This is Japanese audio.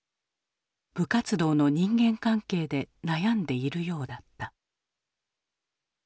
部活動の人間関係で悩んでいるようだった。